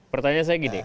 pertanyaan saya begini